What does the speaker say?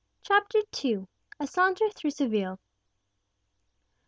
CHAPTER II. A SAUNTER THROUGH SEVILLE.